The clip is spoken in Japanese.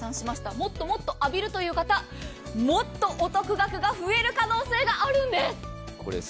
もっともっと浴びるという方、もっとお得額が増える可能性があるんです。